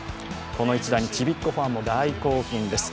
この一打にちびっ子ファンも大興奮です。